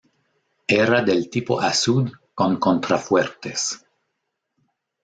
Era del tipo Azud, con contrafuertes.